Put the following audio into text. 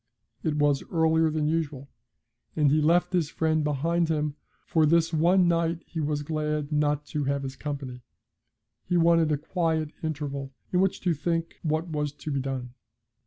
It was earlier than usual, and he left his friend behind him; for this one night he was glad not to have his company; he wanted a quiet interval in which to think what was to be done.